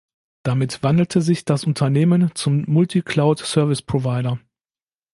Damit wandelte sich das Unternehmen zum Multi-Cloud Service Provider.